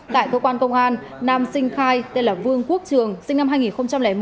tại cơ quan công an nam sinh khai tên là vương quốc trường sinh năm hai nghìn một